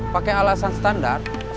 pake alasan standar